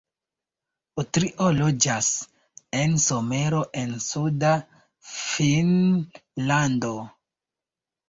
Utrio loĝas en Somero en suda Finnlando.